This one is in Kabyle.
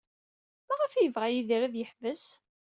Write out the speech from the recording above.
Maɣef ay yebɣa Yidir ad yeḥbes?